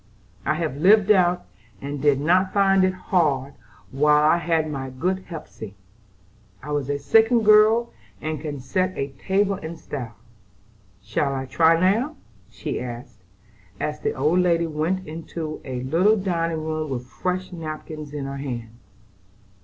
I have lived out, and did not find it hard while I had my good Hepsey. I was second girl, and can set a table in style. Shall I try now?" she asked, as the old lady went into a little dining room with fresh napkins in her hand.